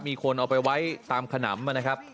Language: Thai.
มีคนเอาไปไว้ตามขนำนะครับ